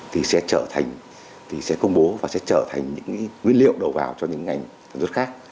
thì sẽ trở thành sẽ công bố và sẽ trở thành những nguyên liệu đầu vào cho những ngành tham dự khác